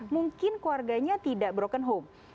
mungkin keluarganya tidak broken home